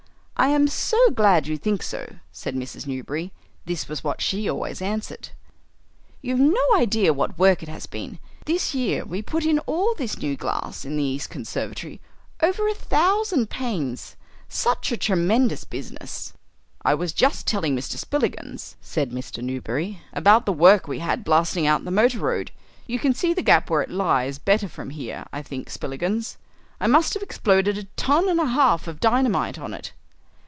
"I am so glad you think so," said Mrs. Newberry (this was what she always answered); "you've no idea what work it has been. This year we put in all this new glass in the east conservatory, over a thousand panes. Such a tremendous business!" "I was just telling Mr. Spillikins," said Mr. Newberry, "about the work we had blasting out the motor road. You can see the gap where it lies better from here, I think, Spillikins. I must have exploded a ton and a half of dynamite on it."